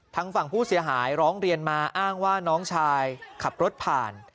ทางฝั่งผู้เสียหายร้องเรียนมาอ้างว่าน้องชายขับรถผ่าน